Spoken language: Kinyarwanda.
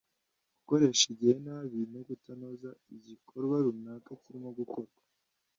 gukoresha igihe nabi no kutanoza igikorwa runaka kirimo gukorwa